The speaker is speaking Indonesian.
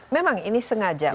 memang ini sengaja